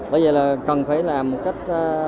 bây giờ là cần phải làm một cách